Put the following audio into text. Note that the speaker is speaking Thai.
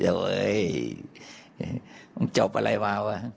โอ้โยมันจบอะไรมากว่า